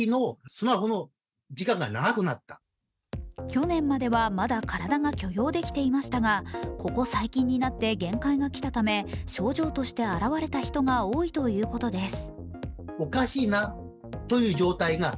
去年までは、まだ体が許容できていましたがここ最近になって限界が来たため症状として表れた人が多いということです。